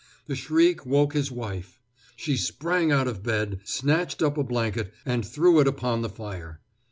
The shriek woke his wife. She sprang out of bed, snatched up a blanket, and threw it upon the fire.